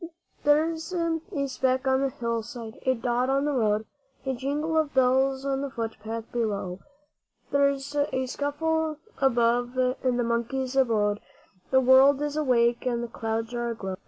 There's a speck on the hill side, a dot on the road A jingle of bells on the foot path below There's a scuffle above in the monkey's abode The world is awake and the clouds are aglow.